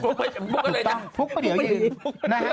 ถูกต้องปุ๊กปะเดี่ยวยืน